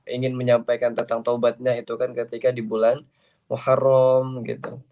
ingin menyampaikan tentang taubatnya itu kan ketika di bulan muharram gitu